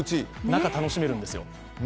中、楽しめるんですよ。